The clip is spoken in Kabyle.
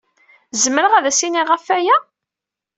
Zemreɣ ad as-iniɣ ɣef waya?